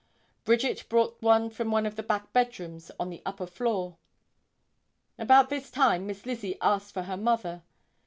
Bridget brought one from one of the back bedrooms on the upper floor. About this time Miss Lizzie asked for her mother.